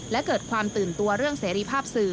และเกิดความตื่นตัวเรื่องเสรีภาพสื่อ